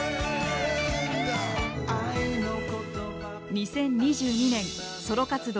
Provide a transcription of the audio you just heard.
２０２２年ソロ活動